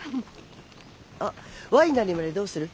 あっワイナリーまでどうする？